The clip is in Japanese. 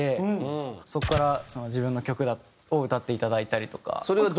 そこから自分の曲を歌っていただいたりとか。